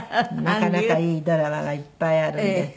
なかなかいいドラマがいっぱいあるんで。